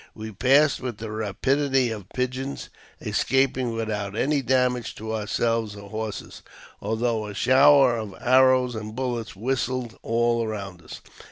We passed with the rapidity of pigeons, escaping without any damage to ourselves or horses, although a shower of arrows and bullets whistled all around us.